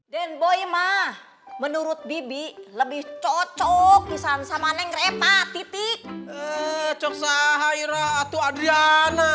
dan boy ma menurut bibi lebih cocok kisah sama neng repa titik coksa haira atau adriana